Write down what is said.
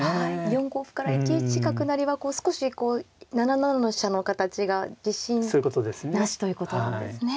４五歩から１一角成は少し７七の飛車の形が自信なしということなんですね。